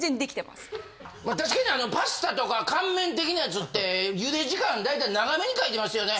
まあ確かにパスタとか乾麺的なやつって茹で時間大体長めに書いてますよね。